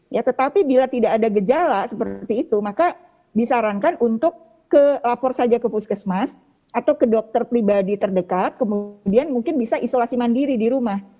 ya tetapi bila tidak ada gejala seperti itu maka disarankan untuk ke lapor saja ke puskesmas atau ke dokter pribadi terdekat kemudian mungkin bisa isolasi mandiri di rumah